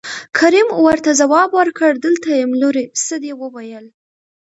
کريم ورته ځواب ورکړ دلته يم لورې څه دې وويل.